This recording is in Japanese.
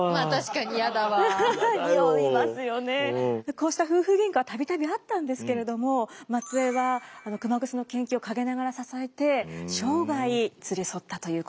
こうした夫婦喧嘩は度々あったんですけれども松枝は熊楠の研究を陰ながら支えて生涯連れ添ったということです。